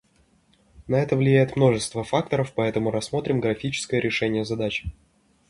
На это влияет множество факторов, поэтому рассмотрим графическое решение задачи